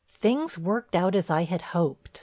"Things worked out as I had hoped.